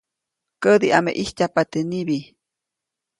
Kädi ʼame ʼijtapa teʼ nibi.